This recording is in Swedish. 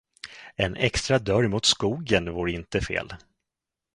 En extra dörr mot skogen vore inte fel.